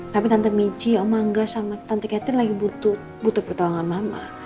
tapi tante michi om angga sama tante ketri lagi butuh pertolongan mama